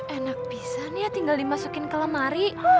enak pisah nih ya tinggal dimasukin ke lemari